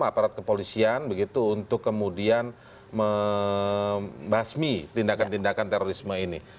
aparat kepolisian begitu untuk kemudian membasmi tindakan tindakan terorisme ini